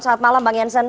selamat malam bang janssen